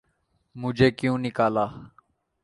''مجھے کیوں نکالا‘‘۔